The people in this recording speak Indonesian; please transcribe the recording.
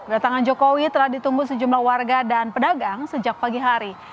datangan jokowi telah ditunggu sejumlah warga dan pedagang sejak pagi hari